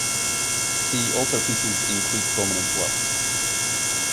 The altarpieces include prominent works.